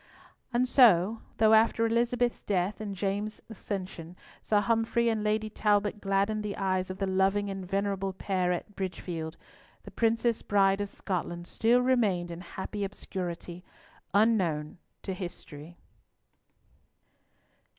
And so, though after Elizabeth's death and James's accession, Sir Humfrey and Lady Talbot gladdened the eyes of the loving and venerable pair at Bridgefield, the Princess Bride of Scotland still remained in happy obscurity, "Unknown to History."